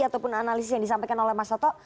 ataupun analisis yang disampaikan oleh mas soto